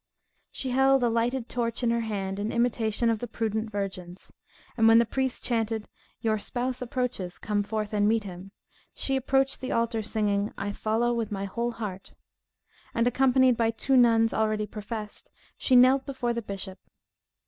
She held a lighted torch in her hand, in imitation of the prudent virgins; and when the priest chanted, "Your spouse approaches; come forth and meet him," she approached the altar singing, "I follow with my whole heart;" and, accompanied by two nuns already professed, she knelt before the bishop.